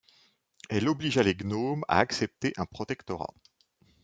Elle obligea les gnomes à accepter un protectorat.